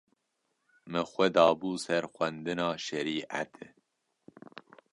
min xwe dabû ser xwendina şerîetê